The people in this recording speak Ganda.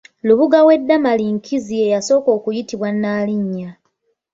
Lubuga we Damali Nkinzi ye yasooka okuyitibwa Nnaalinya.